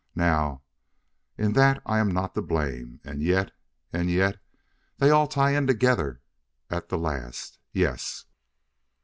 Now in that I am not to blame, and yet and yet they all tie in together at the last; yes!"